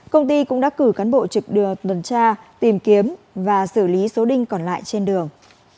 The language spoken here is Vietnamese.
công ty cũng đã cử cán bộ trực tuần tra tìm kiếm và xử lý số đinh còn lại trên đường